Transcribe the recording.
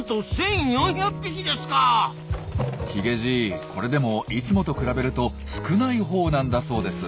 ヒゲじいこれでもいつもと比べると少ないほうなんだそうです。